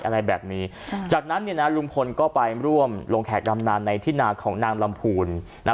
อะไรแบบนี้จากนั้นเนี่ยนะลุงพลก็ไปร่วมลงแขกดำนานในที่นาของนางลำพูนนะ